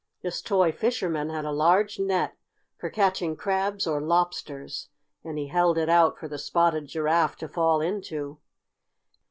This toy fisherman had a large net for catching crabs or lobsters, and he held it out for the Spotted Giraffe to fall into.